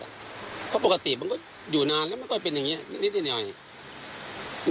เพราะปกติมันก็อยู่นานแล้วไม่ค่อยเป็นอย่างนี้นิดหน่อย